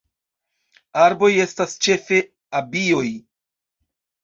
Arboj estas ĉefe abioj.